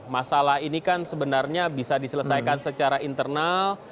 masalah ini kan sebenarnya bisa diselesaikan secara internal